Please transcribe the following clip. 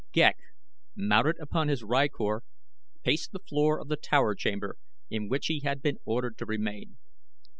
Ghek, mounted upon his rykor, paced the floor of the tower chamber in which he had been ordered to remain.